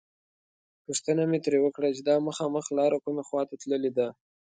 پوښتنه مې ترې وکړه چې دا مخامخ لاره کومې خواته تللې ده.